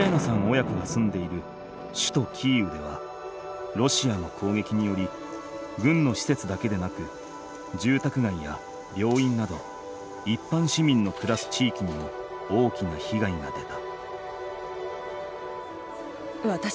親子が住んでいる首都キーウではロシアの攻撃により軍の施設だけでなくじゅうたくがいや病院などいっぱん市民の暮らす地域にも大きなひがいが出た。